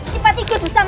sipat ikut bersamamu